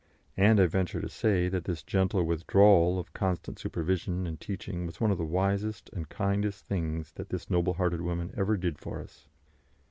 And I venture to say that this gentle withdrawal of constant supervision and teaching was one of the wisest and kindest things that this noble hearted woman ever did for us.